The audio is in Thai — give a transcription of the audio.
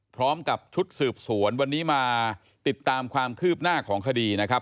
พร้อมกับชุดสืบสวนวันนี้มาติดตามความคืบหน้าของคดีนะครับ